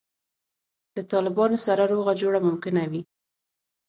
له طالبانو سره روغه جوړه ممکنه وي.